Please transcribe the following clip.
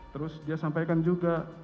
terus dia sampaikan juga